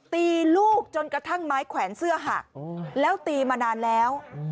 ตีลูกจนกระทั่งไม้แขวนเสื้อหักแล้วตีมานานแล้ว